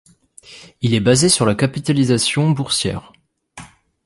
Il est basé sur la capitalisation boursière.